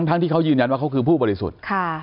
ทั้งที่เขายืนยันว่าเขาคือผู้บริสุทธิ์